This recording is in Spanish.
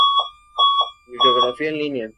Bibliografía en línea.